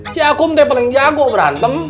si akum deh paling jago berantem